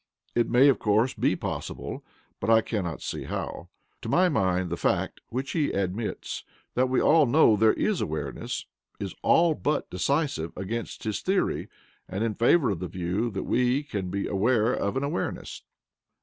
It may, of course, be possible, but I cannot see how. To my mind the fact (which he admits) that we know there is awareness, is ALL BUT decisive against his theory, and in favour of the view that we can be aware of an awareness.